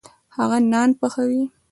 هغه نان پخوي.